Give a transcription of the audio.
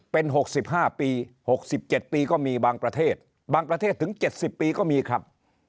เป็น๖๕ปี๖๗ปีก็มีบางประเทศบางประเทศถึง๗๐ปีก็มีครับ